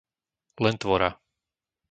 Lentvora